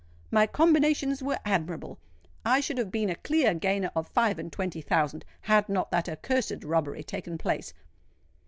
My combinations were admirable: I should have been a clear gainer of five and twenty thousand, had not that accursed robbery taken place!